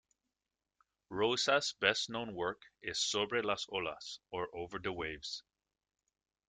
Rosas's best known work is "Sobre las Olas" or "Over the Waves".